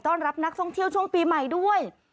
รับนักท่องเที่ยวช่วงปีใหม่ด้วย